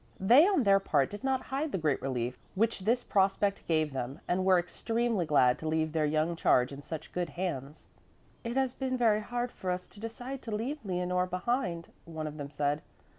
They on their part did not hide the great relief which this prospect gave them and were extremely glad to leave their young charge in such good hands. "It has been very hard for us to decide to leave Leonore behind," one of them said.